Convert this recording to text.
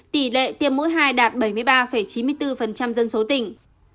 tỷ lệ tiêm mỗi hai đạt bảy mươi ba chín mươi bốn dân số tỉnh